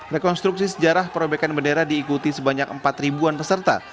rekonstruksi sejarah perobekan bendera diikuti sebanyak empat ribuan peserta